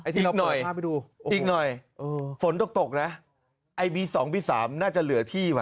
อีกหน่อยฝนตกไอ้บี๒บี๓น่าจะเหลือที่